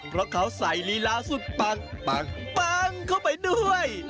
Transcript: เพราะเขาใส่ลีลาสุดปังปังปังเข้าไปด้วย